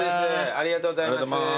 ありがとうございます。